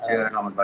ya selamat pagi